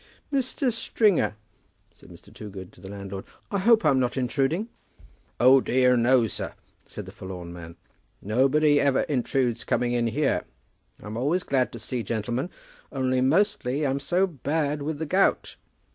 "Mr. Stringer," said Mr. Toogood to the landlord, "I hope I'm not intruding." "O dear, no, sir," said the forlorn man. "Nobody ever intrudes coming in here. I'm always happy to see gentlemen, only, mostly, I'm so bad with the gout."